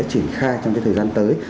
triển khai trong cái thời gian tới